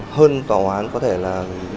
hơn tòa án có thể là